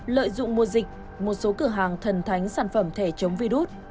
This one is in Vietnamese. lợi dụng mùa dịch một số cửa hàng thần thánh sản phẩm thẻ chống virus